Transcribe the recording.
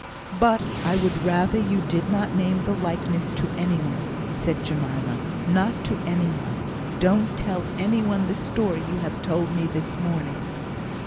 "But I would rather you did not name the likeness to any one," said Jemima; "not to any one. Don't tell any one the story you have told me this morning."